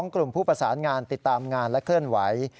กลุ่มผู้ประสานงานติดตามงานและเคลื่อนไหว